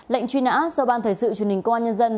lệnh truy nã do ban thể sự truyền hình công an nhân dân